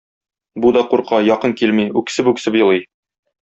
Бу да курка, якын килми, үксеп-үксеп елый.